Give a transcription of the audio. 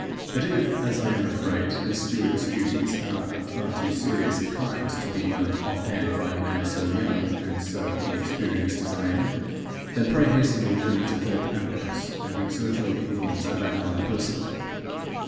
But if (as I am afraid) the steward's duties are of far too serious a kind to be learned off hand by a man so young and so inexperienced as I am, then pray hasten your journey to Thorpe Ambrose, and exert your influence over Allan personally.